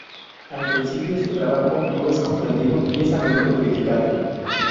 Al principio, su trabajo no es comprendido y es a menudo criticado.